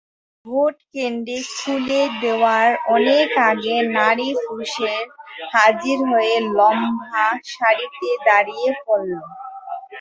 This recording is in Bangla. ভোটকেন্দ্র খুলে দেওয়ার অনেক আগেই নারী-পুরুষেরা হাজির হয়ে লম্বা সারিতে দাঁড়িয়ে পড়েন।